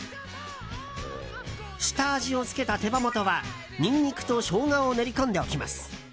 下味を付けた手羽元はニンニクとショウガを練り込んでおきます。